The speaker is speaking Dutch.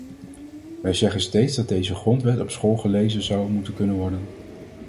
Wij zeggen steeds dat deze grondwet op school gelezen zou moeten kunnen worden.